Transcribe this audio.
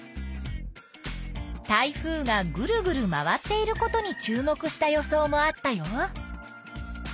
台風がぐるぐる回っていることに注目した予想もあったよ。